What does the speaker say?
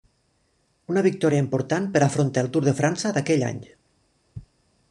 Una victòria important per afrontar el Tour de França d'aquell any.